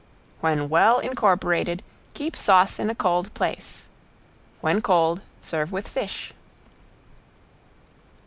When well incorporated keep sauce in a cold place. When cold serve with fish.